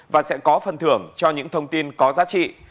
và sẽ có phần thưởng cho những thông tin có giá trị